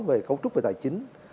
về cấu trúc về tài chính